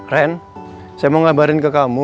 ren saya mau ngabarin ke kamu